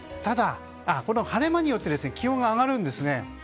この晴れ間によって気温が上がるんですね。